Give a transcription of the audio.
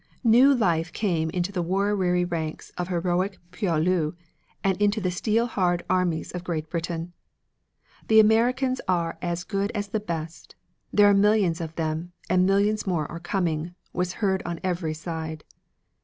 New life came into the war weary ranks of heroic poilus and into the steel hard armies of Great Britain. "The Americans are as good as the best. There are millions of them, and millions more are coming," was heard on every side.